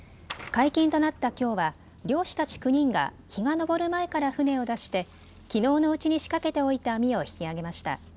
解禁となったきょうは漁師たち９人が日が昇る前から船を出してきのうのうちに仕掛けておいた網を引き上げました。